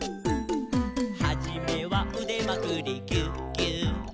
「はじめはうでまくりギューギュー」